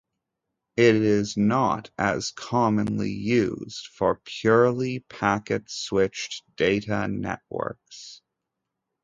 It is not as commonly used for purely packet-switched data networks.